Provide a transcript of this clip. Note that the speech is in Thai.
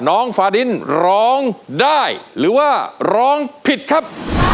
ฟาดินร้องได้หรือว่าร้องผิดครับ